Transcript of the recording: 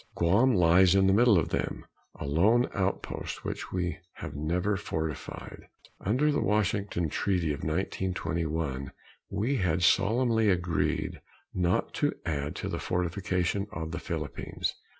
Guam lies in the middle of them a lone outpost which we have never fortified. Under the Washington Treaty of 1921 we had solemnly agreed not to add to the fortification of the Philippines.